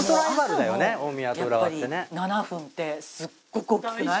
朝のやっぱり７分ってすごく大きくない？